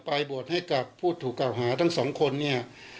ปลายบทให้กับผู้ถูกกล่าวหาทั้งสองคนเนี่ย